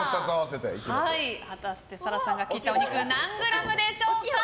果たして紗来さんが切ったお肉何グラムでしょうか。